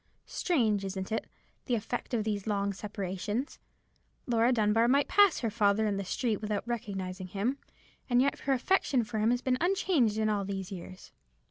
Strange, isn't it, the effect of these long separations? Laura Dunbar might pass her father in the street without recognizing him, and yet her affection for him has been unchanged in all these years."